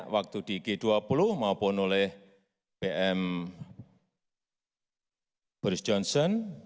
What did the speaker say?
waktu di g dua puluh maupun oleh pm brace johnson